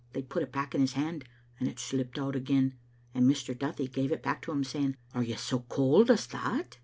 They put it back in his hand, and it slipped out again, and Mr. Duthie gave it back to him, saying, * Are you so cauld as that?